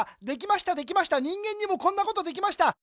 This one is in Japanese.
できましたできました人間にもこんなことできました。